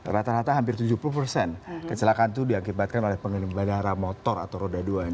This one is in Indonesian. rata rata hampir tujuh puluh persen kecelakaan itu diakibatkan oleh pengendara motor atau roda dua